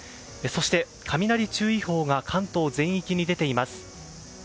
そして雷注意報が関東全域に出ています。